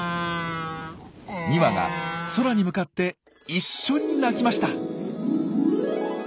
２羽が空に向かって一緒に鳴きました。